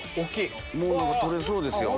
もう取れそうですよ。